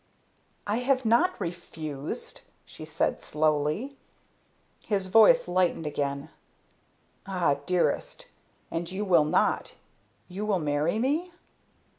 "I have not refused," she said slowly. His voice lightened again. "Ah, dearest! And you will not! You will marry me?"